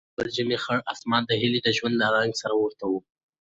د کابل ژمنی خړ اسمان د هیلې د ژوند له رنګ سره ورته و.